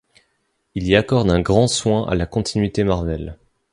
Il y accorde un grand soin à la continuité Marvel.